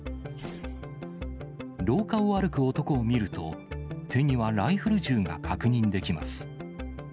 廊下を歩く男を見ると、手にはライフル銃が確認できます。